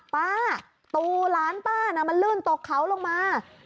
ป้าตูหลานมันลื่นตกเขาลงมา